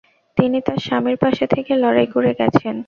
তিনি তার স্বামীর পাশে থেকে লড়াই করে গেছেন।